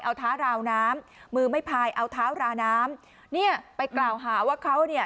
เอาเท้าราวน้ำมือไม่พายเอาเท้าราน้ำเนี่ยไปกล่าวหาว่าเขาเนี่ย